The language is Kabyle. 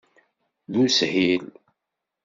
D ushil.